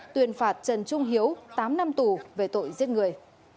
tuyên phạt trần trung hiếu tám năm tù về tội giết người